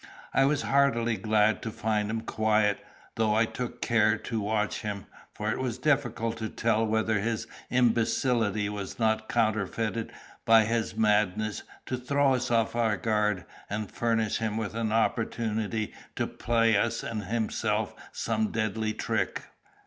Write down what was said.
I was heartily glad to find him quiet, though I took care to watch him, for it was difficult to tell whether his imbecility was not counterfeited, by his madness, to throw us off our guard, and furnish him with an opportunity to play us and himself some deadly trick.